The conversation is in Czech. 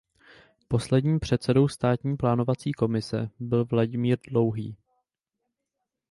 Posledním předsedou Státní plánovací komise byl Vladimír Dlouhý.